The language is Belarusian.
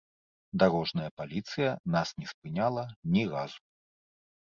Дарожная паліцыя нас не спыняла ні разу.